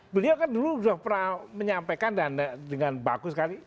beliau kan dulu sudah pernah menyampaikan dan dengan bagus sekali